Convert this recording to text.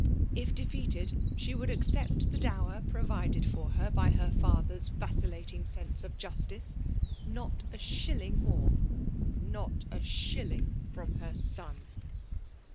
K de' feated, she would accept the dower provided for her by her father s vacillating sense of justice, not a' shilling more ;— ^not a shilling from her son.